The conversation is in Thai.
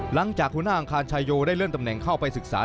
หลังจากหัวหน้าอังคารชายโยได้เลื่อนตำแหน่งเข้าไปศึกษา